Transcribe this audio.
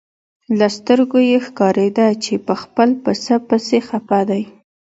له سترګو یې ښکارېده چې په خپل پسه پسې خپه دی.